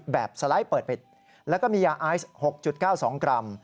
สไลด์เปิดปิดแล้วก็มียาไอซ์๖๙๒กรัม